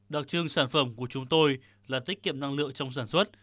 đặc trưng sản phẩm của chúng tôi là tiết kiệm năng lượng trong sản xuất